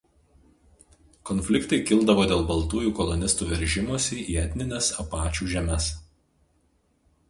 Konfliktai kildavo dėl baltųjų kolonistų veržimosi į etnines apačių žemes.